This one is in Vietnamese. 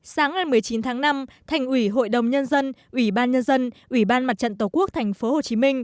sáng ngày một mươi chín tháng năm thành ủy hội đồng nhân dân ủy ban nhân dân ủy ban mặt trận tổ quốc tp hcm